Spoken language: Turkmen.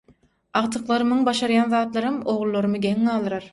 Agtyklarymyň başarýan zatlaram ogullarymy geň galdyrar.